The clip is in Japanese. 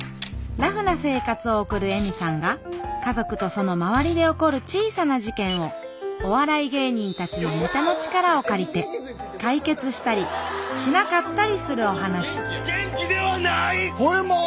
ラフな生活を送る恵美さんが家族とその周りで起こる小さな事件をお笑い芸人たちのネタの力を借りて解決したりしなかったりするお話ポエマー？